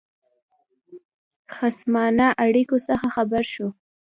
خصمانه اړېکو څخه خبر شو.